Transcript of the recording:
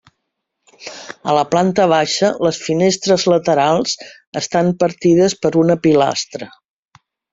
A la planta baixa les finestres laterals estan partides per una pilastra.